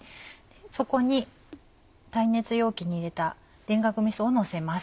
そこに耐熱容器に入れた田楽みそをのせます。